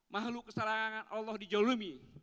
makhluk keserangan allah dijolomi